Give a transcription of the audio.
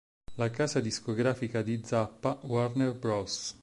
La casa discografica di Zappa, Warner Bros.